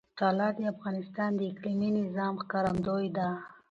طلا د افغانستان د اقلیمي نظام ښکارندوی ده.